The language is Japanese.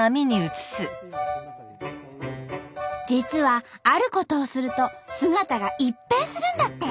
実はあることをすると姿が一変するんだって。